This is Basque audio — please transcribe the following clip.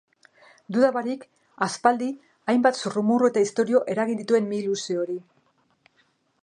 Duda barik, aspaldi hainbat zurrumurru eta istorio eragin dituen mihi luze hori.